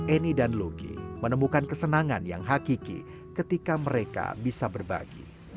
eni dan luki menemukan kesenangan yang hakiki ketika mereka bisa berbagi